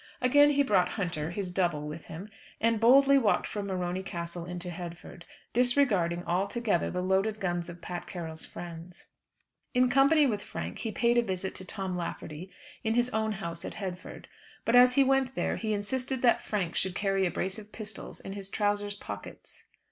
Again he brought Hunter, his double, with him, and boldly walked from Morony Castle into Headford, disregarding altogether the loaded guns of Pat Carroll's friends. In company with Frank he paid a visit to Tom Lafferty in his own house at Headford. But as he went there he insisted that Frank should carry a brace of pistols in his trousers' pockets.